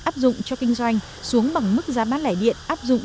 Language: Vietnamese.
áp dụng cho kinh doanh xuống bằng mức giá bán lẻ điện áp dụng